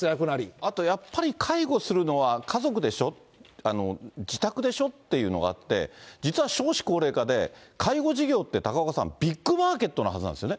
あとやっぱり、介護するのは家族でしょ、自宅でしょっていうのがあって、実は少子高齢化で介護事業って、高岡さん、ビッグマーケットのはずなんですよね。